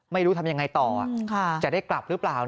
ไม่รู้ทำยังไงต่อจะได้กลับหรือเปล่า